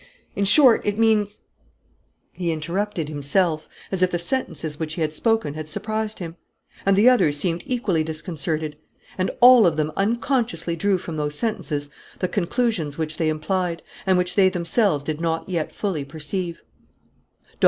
In short, it means " He interrupted himself, as if the sentences which he had spoken had surprised him. And the others seemed equally disconcerted. And all of them unconsciously drew from those sentences the conclusions which they implied, and which they themselves did not yet fully perceive.